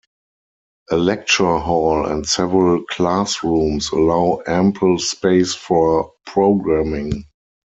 A lecture hall and several classrooms allow ample space for programming.